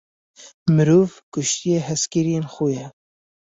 Mirov, kuştiye hezkiriyên xwe ye.